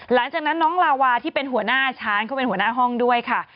หลังจากนั้นน้องลาวาที่เป็นหัวหน้าช้างเขาเป็นหัวหน้าห้องด้วยค่ะ